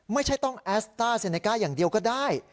ไม่ใช่ต้องแอสต้าเซเนก้าอย่างเดียวก็ได้